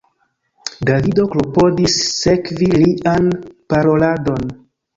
Davido klopodis sekvi lian paroladon.